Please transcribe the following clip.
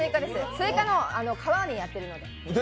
スイカの皮にやっているので。